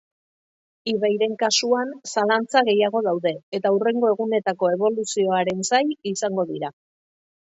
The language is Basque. Ibairen kasuan zalantza gehiago daude, eta hurrengo egunetako eboluzioaren zain izango dira.